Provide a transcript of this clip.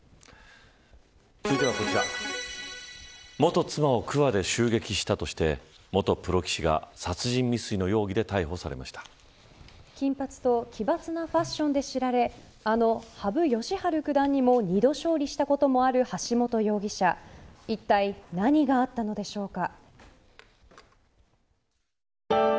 続いてはこちら元妻をくわで襲撃したとして元プロ棋士が殺人未遂の容疑で金髪と奇抜なファッションで知られあの羽生善治九段にも、２度勝利したこともある橋本容疑者いったい何があったのでしょうか。